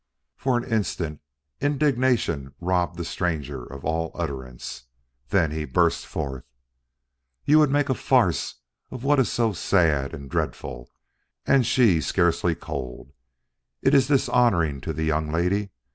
For an instant indignation robbed the stranger of all utterance. Then he burst forth: "You would make a farce of what is so sad and dreadful, and she scarcely cold! It is dishonoring to the young lady.